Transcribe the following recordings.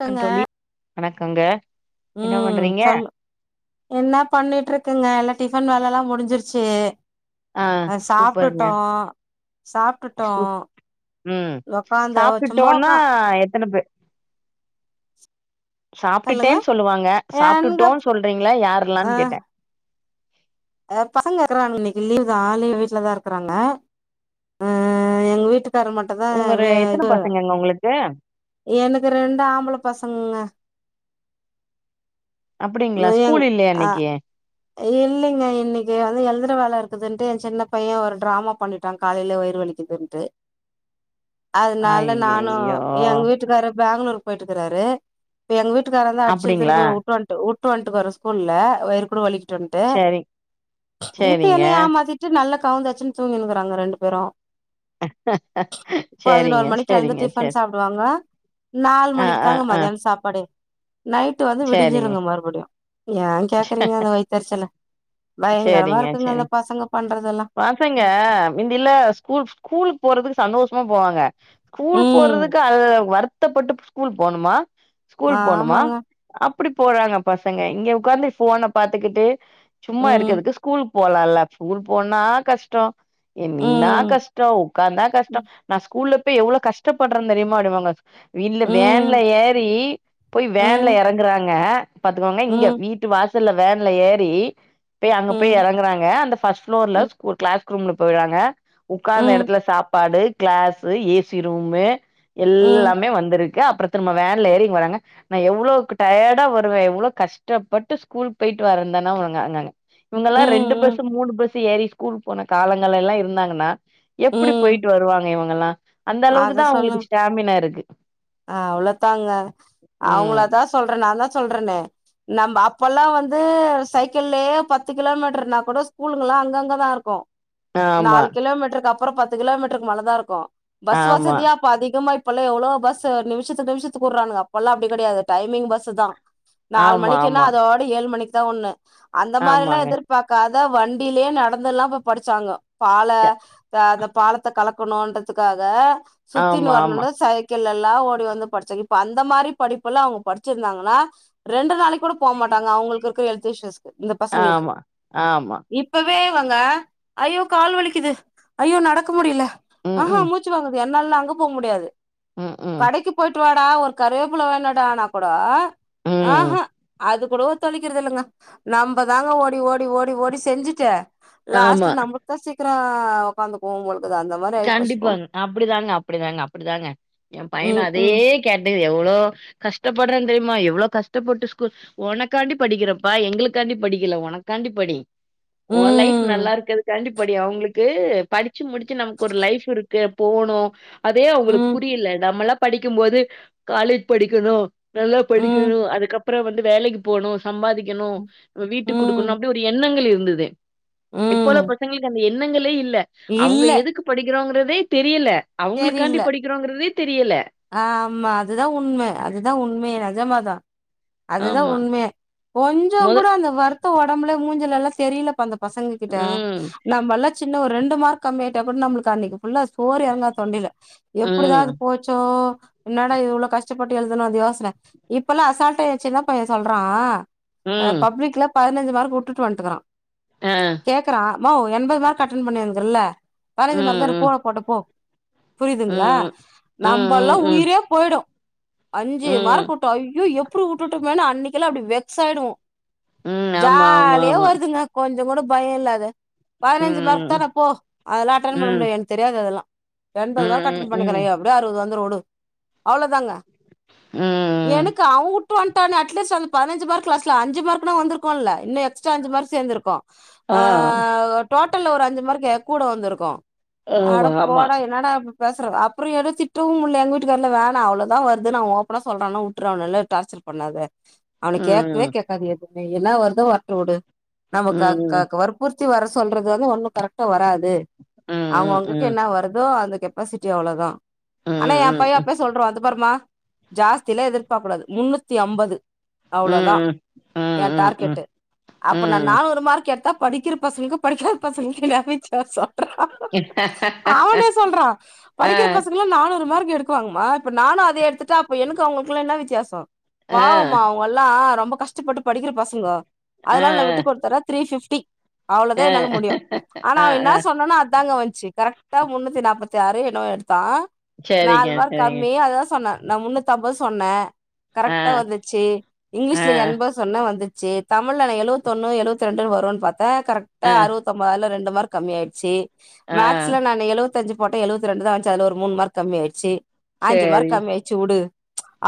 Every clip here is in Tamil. க்குங்க க்கந்தோழி வணக்கங்க. என்ன ம் பண்றீங்க சம் என்னா பண்ணிட்ருக்குங்க எல்லா டிஃபன் வேலல்லா முடிஞ்சிருச்சு. ஆ அ சூப்பருங்க சாப்டுட்டோ சாப்டுட்டோ. சூப் ம் சாப்டுட்டோன்னா எத்தன பே சொல்லுங்க சாப்டுட்டேன் சொல்லுவாங்க எங்க சாப்டுட்டோன் சொல்றீங்ளா அ யாரெல்லான் கேட்டே. பசங்க இருக்கறான்னு இன்னைக்கி லீவ் தா ஆலே வீட்டுல தா இருக்கறாங்க ஆ எங்க வீட்டுக்காரங்க மாட் உங்கள எத்தனை பசங்கங்க உங்களுக்கு எனக்கு ரெண்டு ஆம்பளை பசங்கங்க அப்டிங்களா நொயங் ஸ்கூல் இல்லையா அ இன்னைக்கு இல்லைங்க இன்னைக்கி வந்து எழுதுற வேல இருக்குதுன்ட்டு எ சின்ன பைய ஒரு டிராமா பண்ணிட்டா காலையிலே வயிரு வலிக்குதுன்ட்டு அதனால நானு ஐயையோ எங்க வீட்டுக்கார பெங்களூருக்கு போயிட்டு இருக்காரு இப்ப எங்க வீட்டுக்காரந்தா அடிச்ச இழுத்துட்டு அப்டிங்களா போய் வுட்டுட்டு வந் ட்டு வுட்டு வந்துட்டுருப்பாரு ஸ்கூல்லல வயிறு கூட வலிக்கிட்டுன்ட்டு சரி இப்ப சரிங்க என்னய ஏமாத்திட்டு நல்லா கவுந்துசடிச்சுன்னு தூங்கினனுக்கறாங்க ரெண்டு பேரு சரிங்க பதினொரு மணிக்கு எழுந்து சரிங்க டிஃபன் சரி சாப் டுவாங்க நாலு ஆ மணிக்கு ஆ தாங்க ஆ மத்தியான சாப்பாடே நை ட்டு வந்து சரிங்க விடிஞ்சிருங்க மறுபடியு ஏ கேக்குறீங்க அந்த வைத்தரிச்சல செரிங்க சரி பண்றதெல்லா பசங்க மிந்தியெல்லா ஸ்கூல் ஸ்கூலுக்கு போறதுக்கு சந்தோஷமா போவாங்க ஸ்கூல் ம் போறதுக்கு அது வருத்தப்பட்டு ஸ்கூல் போணுமா ஸ்கூல் போணுமா ஆமாங்க அப்டி போறாங்க பசங்க இங்க உக்காந்து போனை பாத்துக்கிட்டு சும்மா ம் இருக்கதுக்கு ஸ்கூல் போலால்ல ஸ்கூல் போனா கஷ்டோ நின்னா ம் கஷ்டோ உக்காந்தா கஷ்டோ நா ஸ்கூல்லல போய் எவ்ளோ கஷ்டப்படுறேன்னு தெரியுமா அப்டினுவாங்க இல்ல வேன்ல ம் ஏறி போய் ம் வேன்ல ம் எறங்குறாங்க பாத்துக்கோங்க இங்க ம் வீட்டு வாசல்ல வேன்ல ஏறி போய் அங்க போய் ம் எறங்கறாங்க அந்த ஃப்ஸ்ட் ப்ளோர்ல ஒரு கிளஸ்ல ரூம்ல போயிறாங்க உக்காந்த ம் எடத்துல சாப்பாடு கிளாஸ்சு ஏ சி ரூமு ம் எல்லாமே வந்திருக்கு அப்புறத்து நம்ம வேன்ல ஏறி இங்க வர்ராங்க நா எவ்ளோக்கு டயர்டா வருவே எவ்ளோ கஷ்டப்பட்டு ஸ்கூல் போயிட்டு வரந்தேனா உ ங்கங்க இவங்கல்லா ரெண்டு ம் பஸ் மூணு பஸ் ஏறி ஸ்கூல் போன காலங்கள எல்லா இருந்தாங்கன்னா எப்டி ம் போயிட்டு வருவாங்க இவங்க எல்லா அத சொல்லுங்க அ அவ்வளோதாங்க அவங்கள ம் தா சொல்றே நா தா சொல்றேன்னே நம்ம அப்பல்லா வந்து சைக்கிள்யே பத்து கிலோமீட்டர் னா கூட ஸ்கூகல்லா அங்கங்கதா இருக்கு ஆமா நாலு கிலோமீட்டருக்கு அப்புற பத்து கிலோமீட்டருக்கு மலதா இருக்கு பஸ் ஆமா வசதியா இப்ப அதிகமா இப்பல்லா எவ்வளோ பஸ்ஸு நிமிஷத்து நிமிஷத்துக்கு வுடுறானங்க அப்பல்லா அப்டி கெடையாது டைமிங் பஸ் தா நாலு ஆமா மணிக்குன்னா ஆமா அதோட ஏழு மணிக்கு தா ஒண்ணு அந்த மாரி எல்லா ஆமாங்க எதிர பாக்காத வண்டியிலயே நடந்துல்லா போய் படிச்சாங்க பாலே ச அ அந்த பாலத்தை கலக்கணுன்றதுக்காக சுத்தின்னு ஆமா ஆமா வரணுனு சைக் கிள் எல்லா ஓடி வந்து படிச்சாங்க இப்ப அந்த மாரி படிப்புல்லா அவங்க படிச்சிருந்தாங்கன்னா ரெண்டு நாளைக்கு கூட போ மாட்டாங்க அவங்களுக்கு இருக்க ஹெல்த் இஸ்சுஸ் இந்த பசங்களுக்கு ஆமா ஆமா. இப் பவே இவங்க ஐயோ கால் வலிக்குது ஐயோ நடக்க முடியல ஆஹா ம்ஹ்ம். மூச்சு வாங்குது எ என்னால்லா அங்கே போக முடியாது ம்ஹ்ம். கடைக்கு போயிட்டு வாடா ஒரு கருவேப்புல வேனுடானா கூட ம். ம் ம். ஆஹா அது கூடவு சொல்லிக்கிறது இல்லங்க நம்ம தாங்க ஓடி ஓடி ஓடி ஓடி செஞ்சுட்டு ஆமா. லாஸ்ட்ல நம்ம த சீக்கிர உக்காந்துக்கும் போல இருக்கு அந்த மாரி ஆயி போச்சு போங்க கண்டிப்பாங்க அப்டிதாங்க அப்டிதாங்க அப்டிதாங்க எ பையன ம் அதே ம் கேட்டகிரி எவ்ளோ கஷ்டப்படுறே தெரியுமா எவ்ளோ கஷ்டப்பட்டு ஸ்கூல் ஒனக்காண்டி படிக்கிறப்பா எங்களுக்காண்டி படிக்கல ஒனக்காண்டி படி ஒன் லைஃப் நல்லா ம் இருக்குறதுக் காண்டி படி அவுங்களுக்கு படிச்சு முடுச்சு நம் ஒரு லைஃப் இருக்கு போனு அதே அவுங்களுக்கு ம் புரியல நம்மலா படிக்கும் போது காலேஜ் படிக்கணும் நல்லா ம் படிக்கணும் அதுக்கப்புற வந்து வேலைக்கு போணு சம்பாதிக்கணு வீட்டுக் ம் குடுக்கணு அப்டி ஒரு எண்ணங்கள் இருந்துது இப்ப உள்ள ம் பசங்களுக்கு அந்த எண்ணங்களே இல்ல அவுங்க இல்ல எதுக்கு படிக்கிறோங்கிறதே தெரியல அவங்களுக்காண்டி படிக்கிறோங்கறதே தெரியல ஆ ஆமா அதுதா உண்ம அதுதா உண்மையே நெஜமாதா அதுதா ஆமா. உண்ம கொஞ்சோ மொத கூட அந்த வருத்தம் உடம்புல மூஞ்சீலலா தெரியிலபா இந்த பசங்க கிட்ட ம். நம்மல்லா சின்ன ஒரு ரெண்டு மார்க் கம்மி ஆயிட்டா கூட நம்மளுக்கு அன்னைக்கு ஃபுல்லா சோரே தொன்டல எப்டிதா இது ம். போச்சோ என்னடா இவ்வளவு கஷ்டப்பட்டு எழுதனோ அந்த யோசன இப்பல்லா அசால்டா என் சின்ன பையன் சொல்றா அ ம். பப்ளிக்ல பதினஞ்சு மார்க் வுட்டுட்டு வந்ட்டுகிறா ஆ கேக்குறா மாவ் எண்பது மார்க் அட்டன் பண்ணி இருக்குறேல பதினஞ்சு மார்க் ம். தானே ம். போனா போட்டு போ புரியுதுங்களா ம். நம்ப எல்லா ம். ம். உயிரே போயிடு அஞ்சு ம். மார்க் வு ட்டோ ஐயோ எப்டி விட்டுட்டோமேனு அன்னைக்கி எல்லா அப்டி வெக்ஸ் ஆயிடுவோ ம். ஆமா, ஆமா, ஜாலியா ஆமா. வருதுங்க கொஞ்ச கூட பய இல்லாத பதினஞ்சு மார்க் ம். தானே போ அதெல்லா அட்டென் பண்ண ம். முடியாது எனக்கு தெரியாது அதெல்லா எண்பது மார்க் ம். அட்டன் பண்ணிக்கிறே ம். எப்படியு ஆறுவது வந்துரு வுடு அவ்ளோ தாங்க ம். எனக்கு அவுட் ட்டு வன்டானே அட்லீஸ்ட் அந்த பதினஞ்சு மார்க் லாஸ்ட்ல அஞ்சு மார்க் னா வந்திருக்குல்ல இன்னு எக்ஸ்ட்ரா அஞ்ச மார்க் சேந்துருக்கு ஆ டோட்டல்ல ஒரு அஞ்சு மார்க் கூட வந்திருக்கு அட ஆமா, போ ஆமா. என்னடா பேசுற அப்புற எது திட்டவு முடில எங்க வீட்டுக்காரு வேணா அவ்ளோதா வருது அவன் ஓப் பனா சொல்றான்ல விட்ரு அவன நல்லா டார்ச்சர் பண்ணாத அவன கேக்கவே ம். கேக்காது என்னா வருதோ வரட்டு வுடு நம்ம க க ம். க வரு பூர்த்தி வர சொல்றது வந்து ஒண்ணு கரெக்டா வராது ம். அவுங்க அவுங்களுக்கு ம். என்ன வரு தோ அந்த கெப்பாசிட்டி அவ்ளோதா ம். ஆனா என் ம். பையன் ம். அப்பே சொல்ரூவா பாருமா ஜாஸ்திலா எதிர்பார்க்க கூடாது முன்னூத் த்தி ஐம்பது அவ்ளோ தா ம். ம். எ ம். ம். டார்கெட்டு அப்ப நா ம். நானூறு மார்க் எடுத்தா படிக்கிற பசங்க்கு படிக்காத பசங்க்கு [unintelligible] றா ஹா ஹா ஹா சொல்றா படிக்கிற பசங்கலா நானூறு மார்க் எடுக்குவாங்கமா இப்ப நானு அதே எடுத்து ட்டா அப்ப எனக்கு அவங்களுக்லா என்ன வித்தியாச ஆ. பாவமா அவங்கெல்லா ரொம்ப கஷ்டப்பட்டு படிக்கிற பசங்கோ ஆ, அதனால நா விட்டு கொடுத்தறே த்ரீ பிஃப்டி அவ்ளதா ஆ, என்னால முடியு ஆனா ஆ, அவ என்ன ஆ. சொன்னானோ அதாங்க வந்ச்சு கரெக்டா முன்னூத்தி நாப்பத்தி ஆறு என்னவோ எடுத்தா சரிங்க, நாலு மார்க் சரிங்க. கம்மி அதுதா சொன்னே நா முன்னுத்தம்பது சொன்னே ஆ, கரெக்டா வந்து ச்சு ஆ, இங்கிலீஷ்ல எண்பது சொன்னே வந்துச்சு தமிழ்ல எழுவத் ஒன்னு எழுவத்தி ரெண்டு வரும்னு பாத் தே கரெக்டா ஆ, அறுவத் ஒன்ப அதுல ரெண்டு மார்க் கம்மி ஆயிடுச்சு ஆ. மேக்ஸ்ல நானு எழுவ தஞ்சு போட்டே எழுவத்தி ரெண்டு தா வந்ச்சு அதுல ஒரு மூணு மார்க் கம்மி ஆயிடுச்சு அஞ்சு சரி. மார்க் கம்மி ஆயி ச்சு வுடு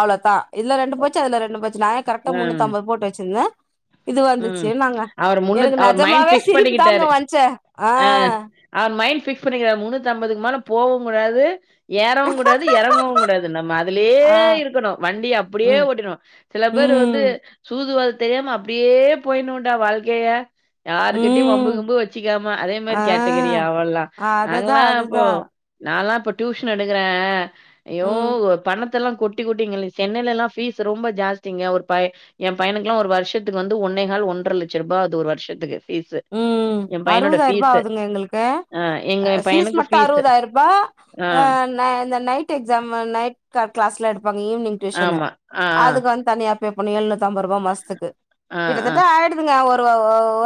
அவ்ளோதா இதுல ரெண்டு போச்சு அதுல ரெண்டு போச்சு நா எ கரெக்டா ம், முன்னூத்தம்பது போட்டுச் வச்சுருந்தே இது வந்துச்சு ம். நாங்க அவரு முன்ன எனக்கு அவரு மைண்ட் நெஜமாவே ஃபிக்ஸ் சிரிப்பு தாங்க வந்ச்சு ஆ அவ மைண்ட் பிஃக்ஸ் பண்ணிக்கிறா முன்னூத்தம்பதுக்கு மேல போகவு கூடாது ஏறவு கூடாது எறங்கவு கூடாது நம்ம அதுலயே ஆ இருக்கணு வண்டி அப்டியே ம் ஓட்டிரு சில பேரு வந்து ம் சூதுவாது தெரியாம அப்படியே போயிர்னுன்டா வாழ்க்கைய யாருகிட்டயு வம்பு ம் கம்பு வச்சுக்காம அதே மாரி ஆ கேட்டகிரி அவல்லா அதுதா நாங்கல்லா அப்போ அதுதா நாலா இப்போ டியூஷன் எடுக்குற ஐயோ ம் பணத்தெல்லா கொட்டி கொட்டிங்க சென்னைலல்லா பீஸ் ரொம்ப ஜாஸ்திங்க ஒரு பை எ பையனுக்கெல்லா ஒரு வருஷ த்துக்கு வந்து ஒன்னே கால் ஒன்ற லச்ச ரூபா ஆது ஒரு வருஷத்துக்கு பீஸூ ம் அறுவதாயிரூபா ஆவுதுங்க எங்களுக்கு ஆ எங்க பீஸ் பையனுக்கு மட்டு ஃபீஸு. அறுவதாயிரூபா ஆ, அ இந் இந்த நைட்டு எக்ஸமு நைட் க்ள க்ளஸ்லா எடுப்பாங்க ஈவ்னிங் டியூஷனு ஆமா. ஆ, அதுக்கு வந் தனியா பே பண்ண எழுநூத்தம்பது ரூபா மாஸ்துக்கு ஆ, ஆ, ஆ, கிட்டத்தட்ட ஆய்டுத்துங்க ஒரு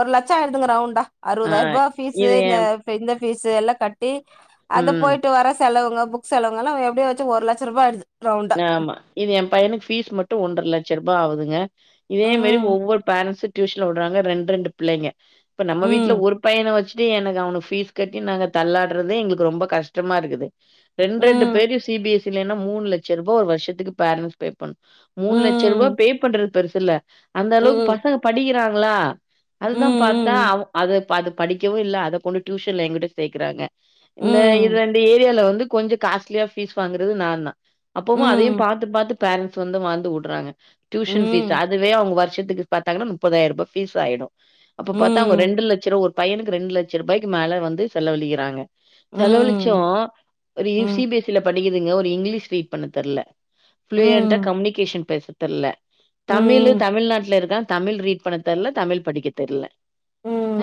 ஒரு லச் சோ ஆய்டுதுங்கற ரவுண்டா ஆ. அறுவதாயிரூபா பீஸ்சு இது இந்த என் இப்ப இந்த பீஸ் எல்லா கட்டி அது ம். போய்ட்டு வர செலவுங்க புக் செலவுங்கல்லா எப்டிய வச்சு ஒரு லச்ச ரூபா ஆய்டுது ஆமா இது எ பையனுக்கு ஃபீஸ் மட்டு ஒன்ற லச்ச ரூபா ஆவுதுங்க இதே மாரி ம் ஒவ்வொரு பேரன்ஸு டியூஷன்ல விடுறாங்க ரெண்டு ரெண்டு பிள்ளைங்க இப்ப நம்ம வீட்ல ம் ஒரு பையன வச் சி எனக்கு அவன பீஸ் கட்டி நாங்க தள்ளாடுறது எங்களுக்கு ரொம்ப கஷ்டமா இருக்குது ரெண்டு ரெண்டு ம் பேரையு சி பி எஸ் இ ன்னா மூணு லச்ச ரூபா ஒரு வருத்துக்கு பேரன்ட்ஸ் பேப் மூணு லச்ச ரூபா ம் பே பண்றது பெருசு இல்ல அந்த அளவுக்கு ம் பசங்க படிக்கிறாங்ளா ம் அதுதா பாத்தா ம் அவ அது அது படிக்கவு இல்ல அத கொண்டு டியூஷன்ல எங்கிட்ட சேக்குறாங்க இந்த இது ம் ரெண்டு ஏரியால வந்து கொஞ்சோ காஸ்ட்லியா ஃபீஸ் வாங்குறது நாந்தா அப்பவு அதையு ம் பாத்து பாத்து பேரண்ட்ஸ் வந்து வாந்து உடுறாங்க டியூஷன் ஃபீஸ் ம் அதுவே அவங்க வருஷத்துக்கு பாத்தாங்கனா முப்பதாயிரூபா் பீஸ் ஆய்டு அப்ப பாத்தா அவங்க ம் ரெண்டு லச்ச ரூ ஒரு பையனுக்கு ரெண்டு லச்ச ரூபாய்க்கு மேல வந்து செலவிழிக்கிறாங்க செலவலிச்சு ம். ஒரு சி ம். பி எஸ் இ ல படிக்குதுங்க ஒரு இங்லீஷ் ரீட் பண்ண தெர்ல புளியண்டா ம். கம்யூனிகேஷன் பேச தெர்ல தமிழு ம். தமிழ்நாட்ல இருக்கா தமிழ் ரீட் பண்ண தெர்ல தமிழ் படிக்க தெர்ல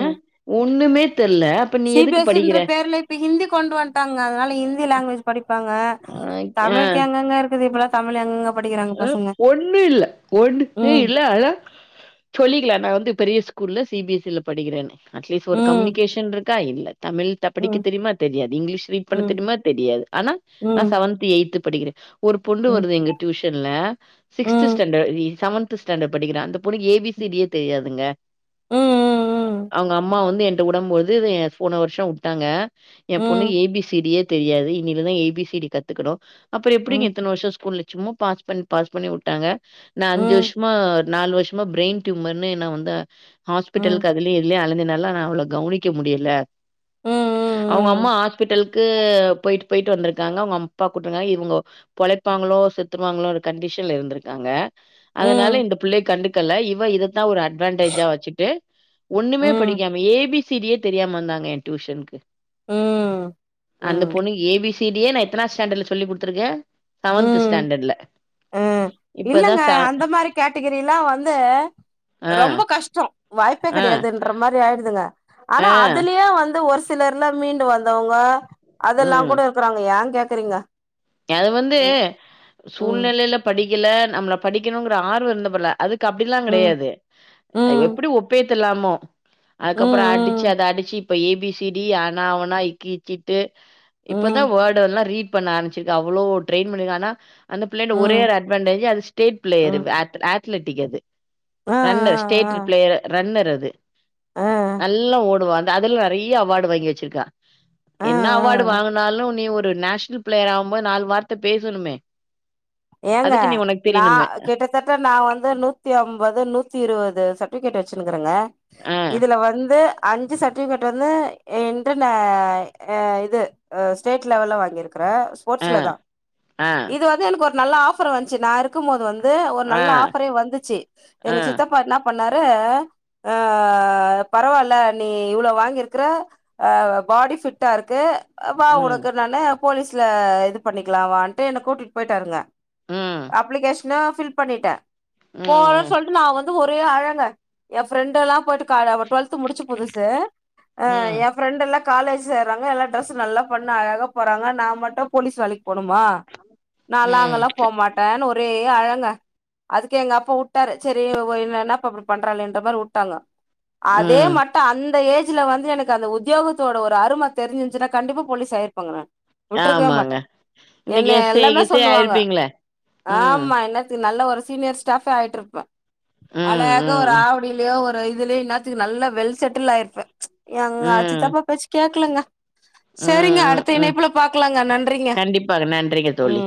அ ஒண்ணுமே தெர்ல நீ சி பி எதுக்கு எஸ் இ ன்ற படிக்கிற? பேர்ல இப்ப ஹிந்தி கொண்டு வந்துட்டாங்க அதனால ஹிந்தி லங்குவேஜ் படிப்பாங்க அ, ஆ. தமிழ்க்கு எங்கங்க இருக்குது இப்பல்ல தமிழ் எங்கங்க படிக்கிற அ ஒண்ணு இல்ல ஒண்ணுமே ம். இல்ல ஆனா சொல்லிக்கலா நா வந்து பெரிய ஸ்கூல்ல சி பி எஸ் இ ல படிக்கிறன்னு அட்லீஸ்ட் ஒரு ம். கம்யூனிகேஷன்ரு க்கா இல்ல தமிழ் த படிக்க ம். தெரிமா தெரியாது இங்லீஷ் ரீட் பண்ண ம். தெரிமா தெரியாது ஆனா நா ம். செவன்த் எய்த்து படிக்கிற ஒரு பொண்ணு ம். வருது இங்க ல சிக்ஸ்த் ம். ம். ஸ்டண்ட் இ செவன்த் ஸ்டண்ட்ட் படிக்கிறா அந்த பொண்ணுக்கு ஏ பி சி டி ஏ தெரியாதுங்க ம். அவங்க அம்மா வந்து என்ட்ட உடம்போது எ போன வருஷோ உட்டாங்க எ பொண்ணு ம். ஏ பி சி டி யே தெரியாது இனில தா ஏ பி சி டி கத்துக்கணு அப்புறோ எப்டிங்க ம். இத்தன வருஷோ ஸ்கூல்ல சும்மா பாஸ் பன் பாஸ் பண்ணி உட்டாங்க நா ம். அஞ்சு ம். வருஷமா நாலு வருஷமா ப்ரெய்ன் டயூமர்னு நா வந்த ம். ஹாஸ்பிட்டல்க்கு அ இதுலயு இதுலே அழஞ்ச நால நா அவள கவனிக்க முடியல ம். அவங்க அம்மா ம். ஹாஸ்பிட்டல்க்கு போய்ட்டு போய்ட்டு வந்திருக்காங்க அவங்க அப்பா கூட்டு இ [unintelligible] இவங்க பொழைப்பாங்களோ செத் துருவாங்களோ ஒரு கண்டிஷன்ல இருந்திருக்காங்க அதனால இந்த புள்ளைய கண்டுக்கல்ல இவ இத தா ஒரு அட்வன்டேஜ்ஜா வச்சிட்டு ஒண்ணுமே ம். படிக்காம ஏ பி சி டி யே தெரியாம வந்தாங்க எ டியூஷன்க்கு ம். அந்த பொண்ணு ஏ பி [unintelligible] நா எத்தனா ஸ்டாண்டர்ட்ல சொல்லிகுடுத்துருக்க சவன்த்து ம். ஸ்டாண்டர்டுல ம் இல்லங்க அந்த மாரி கேட்டகிரிலா வந்து ஆ ரொம்ப கஷ்டோ வாய்ப்பே ஆ கெடையாதுன்ற மாரி ஆயிருதுங்க அனா ஆ அதுலயே வந்து ஒரு சிலர்லா மீண்டு வந்தவங்க அதெல்லா ம் கூட இருக்கறாங்க ஏ கேக்கறீங்க அது வந்து சூழ்நிலையில படிக்கல நம்மள படிக்கணுங்கற ஆர்வோ இருந்தா பரல அதுக்கு அப்படிலா ம் கெடையாது ம் எப்படி ஒப்பேத்தலாமோ ம் அதுக்கப்பறோ அடிச்சு ம் அத அடிச்சு இப்ப ஏபிசிடி ஆனா ஊனா இக்கு கிட்டு ம் இப்பதா ம் வேர்ட் எல்லா ரீட் பண்ண ஆரம்ச்சிருக்க அவ்வளோ ட்ரெயின் பண்ணிருக அனா அந்த பிள்ளைட்ட ஒரே ம் ஒரு அட்வான்டேஜு அது ஸ்டேட் ப்ளேயரு ம் ஆத் ஆத்லெட்டிக் அது ஆ ஆ ரன்னர் ஸ்டேட் ரிப்லயர் ரன்னர் அது ஆ நல்ல போடுவா அந்த அதுல நறைய அவார்டு வாங்கி வெச்சிருக்கா ஆ ஆ என்ன அவார்டு ஆ வாங்குனாலு நீ ஒரு நேஷனல் பிளேயர் ஆ [unintelligible] நாலு வார்த்த பேசணுமே ஏங்க அதுக்கு நீ உனக்கு நா தெரியணுமே கேட்டக் கரட்டா நா வந்து நூத்தி ஐம்பது நூத்தி இருவது சர்டிபிகேட் வெச்சுனுக்கறங்க ஆ இதுல வந்து அஞ்சு சர்ட்டிபிகேட் வந்து என்று [unintelligible] இது அ ஸ்டேட் லெவல்ல வாங்கியிருக்கற ஆ ஸ்போர்ட்ஸ்ல தா ஆ இது வந்து எனக்கு ஒரு நல்ல ஆஃபர் வந்துச்சு நா இரு க்கும் போது வந்து ஒரு ஆ நல்ல ஆஃபரே வந்துச்சி ஆ எங்க சித்தப்பா என்ன பண்ணாரு ஆ பரவால்ல நீ இவ்ளோ வாங்கிருக்கற அ பாடி ஃபிட்டா இருக்கு வா ம் உனக்கு நானு போலீஸ்ல இது பண்ணிக்கலா வான்ட்டு என்ன கூட்டிட் போயிட்டாருங்க ம் அப்ளிகேஷன்னு ஃபில் பண்ணிட்ட போறன்னு ம் சொல்ட்டு நா வந்து ஒரே அழங்க எ பிரண்டெல்லா போயிட்டு க அவ டுவல்த்து முடிச்சு புதுசு ம் எ பிரண்டெல்லா காலேஜ் சேறாங்க எல்லா டிரெஸ் நல்லா பண்ண அழகா போறாங்க நா மட்டு போலீஸ் வேலைக்கு போணுமா நா லா ம் அங்கல்லா போமாட்டேன்னு ஒரே அழங்க அதுக்கு எங்க அப்ப உட்டாரு செரி ஒ என்ன என்னப்பா இப்டி பண்றாளோன்ற மாரி உட்டாங்க அதே ம் மட்டோ அந்த ஏஜ் ஜ்ல வந்து எனக்கு அந்த உத்தியோகத்தோட ஒரு அரும தெரிஞ்சிருந்துருச்சுனா கண்டிப்பா போலிஸ் ஆயிருப்பங்க நான் விட்டுருக்கவே மாட்ட ஆமாங்க இன்னைக்கு என்னைய எஸ்ஏ எல்லாமே கிஸ்ஏ சொல்லுவாங்க ஆயிருப்பீங்களே ம் ஆமா இந்நேரத்துக்கு நல்ல ஒரு சீனியர் ஸ்டேஃபே ஆயிட்டிருப்ப ம் அழகா ஒரு ம் ம் ஆவடிலயே ஒரு இதுலயு இன்னேத்துக்கு நல்லா வெல் செட்டில் ஆயிருப்ப எங்க ம் சித்தப்பா பேச்சு கேக்கலங்க செரிங்க ம் அடுத்த ம் இணைப்புல பாக்கலாங்க நன்றிங்க கண்டிப்பாக நன்றிங்க தோழி